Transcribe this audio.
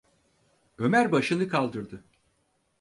Ömer başını kaldırdı.